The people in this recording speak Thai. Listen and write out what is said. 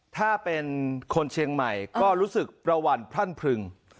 ถ้าเป็นคนเชียงใหม่ก็รู้สึกประหวั่นพรั่นพรึง